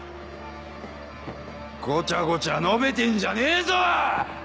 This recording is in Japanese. ごちゃごちゃ述べてんじゃねえぞ。